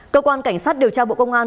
cơ quan cảnh sát điều tra bộ công an